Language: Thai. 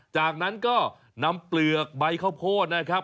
จากนั้นก็นำเปลือกใบข้าวโพดนะครับ